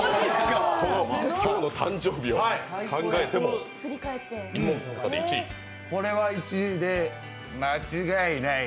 今日の誕生日を考えても１位これは１位で、間違いない。